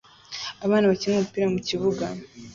Abana bakina umupira mukibuga